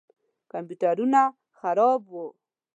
کمپیوټرونه یې خراب وو.